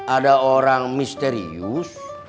ada orang misterius